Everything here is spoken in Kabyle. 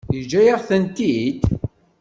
Yeǧǧa-yaɣ-tent-id?